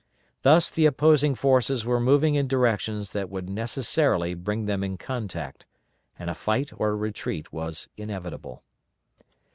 Thus the opposing forces were moving in directions that would necessarily bring them in contact, and a fight or retreat was inevitable.